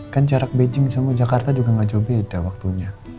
kan jarak beijing sama jakarta juga nggak jauh beda waktunya